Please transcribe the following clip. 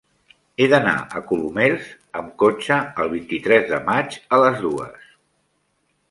He d'anar a Colomers amb cotxe el vint-i-tres de maig a les dues.